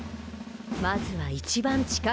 まずは一番近い所から。